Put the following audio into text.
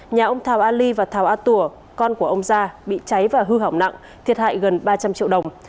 nhà ông thảo a li và thảo a tua con của ông gia bị cháy và hư hỏng nặng thiệt hại gần ba trăm linh triệu đồng